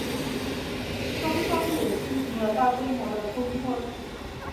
双方也进行了大规模的通婚。